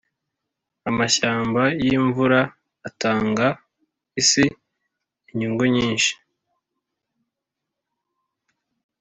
amashyamba yimvura atanga isi inyungu nyinshi.